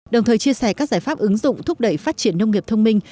đồng thời chia sẻ các giải pháp ứng dụng thúc đẩy phát triển nông nghiệp thông minh